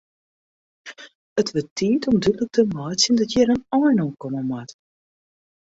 It wurdt tiid om dúdlik te meitsjen dat hjir in ein oan komme moat.